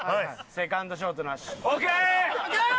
セカンドショートなし？